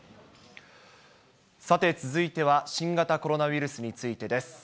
さて、続いては新型コロナウイルスについてです。